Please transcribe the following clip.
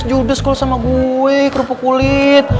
jodoh jodoh sama gue kerupuk kulit